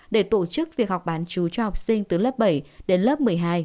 để tổ chức việc học bán chú cho học sinh từ lớp bảy đến lớp một mươi hai